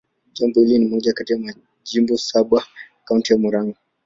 Jimbo hili ni moja kati ya majimbo saba ya Kaunti ya Murang'a.